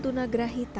aku mau berusaha dulu